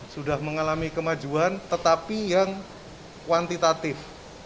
sudah mengalami kemajuan tetapi yang kuantitatif